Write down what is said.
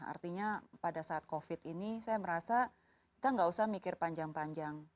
artinya pada saat covid ini saya merasa kita nggak usah mikir panjang panjang